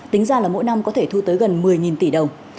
tính ra là mỗi năm có thể thu tới gần một mươi tỷ đồng